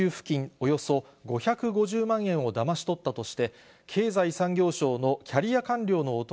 およそ５５０万円をだまし取ったとして、経済産業省のキャリア官僚の男